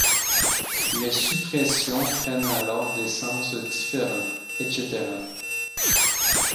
Les suppressions prennent alors des sens différents, etc.